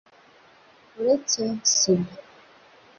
uretse Sida